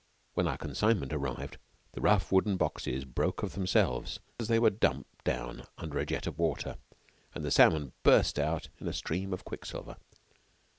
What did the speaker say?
When our consignment arrived, the rough wooden boxes broke of themselves as they were dumped down under a jet of water, and the salmon burst out in a stream of quicksilver.